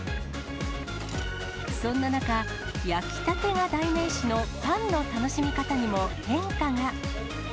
そんな中、焼きたてが代名詞のパンの楽しみ方にも変化が。